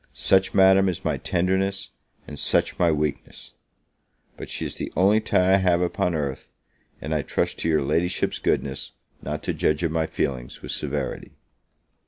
Such, Madam, is my tenderness, and such my weakness! But she is the only tie I have upon earth, and I trust to your Ladyship's goodness not to judge of my feelings with severity.